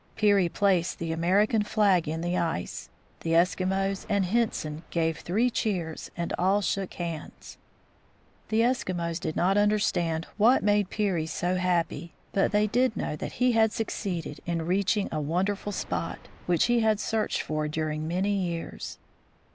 Peary placed the American flag in the ice. The Eskimos and Henson gave three cheers, and all shook hands. The Eskimos did not understand what made Peary so happy, but they did know that he had succeeded in reach 1 66 THE FROZEN NORTH ing a wonderful spot, which he had searched for during many years.